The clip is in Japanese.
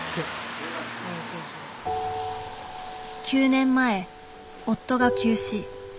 ９年前夫が急死。